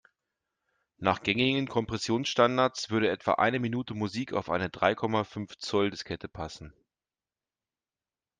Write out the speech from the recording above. Nach gängigen Kompressionsstandards würde etwa eine Minute Musik auf eine drei Komma fünf Zoll-Diskette passen.